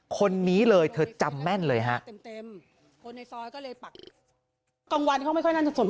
คนนี้เลยเธอจำแม่นเลยฮะ